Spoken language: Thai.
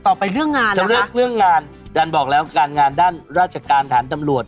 ต่อไปเรื่องงานนะคะสำเร็จเรื่องงานจันบอกแล้วการงานด้านราชการฐานตำรวจ